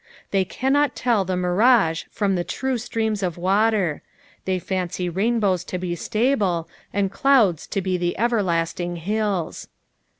They cannot tell the mirage from the true streams of water ; they fancy rainbows to be stable, and clouds to be the everlasting hills.